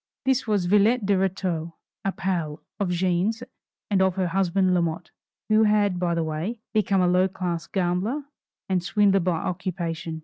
This was Villette de Rétaux, a "pal" of Jeanne's and of her husband Lamotte, who had, by the way, become a low class gambler and swindler by occupation.